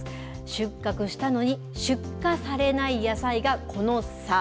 収穫したのに出荷されない野菜がこの差。